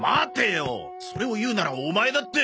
それを言うならオマエだって。